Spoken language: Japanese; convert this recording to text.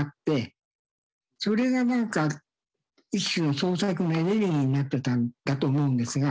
それがなんか一種の創作のエネルギーになってたんだと思うんですが。